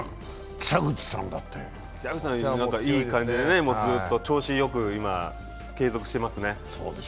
北口さんはいい感じでずっと、調子よく継続していますね。